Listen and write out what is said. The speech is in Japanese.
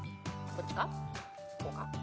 こうか？